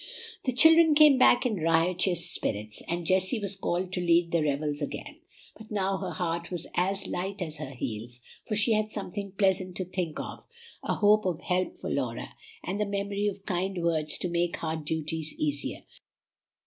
The children came back in riotous spirits, and Jessie was called to lead the revels again. But now her heart was as light as her heels; for she had something pleasant to think of, a hope of help for Laura, and the memory of kind words to make hard duties easier.